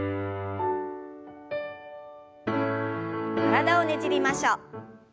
体をねじりましょう。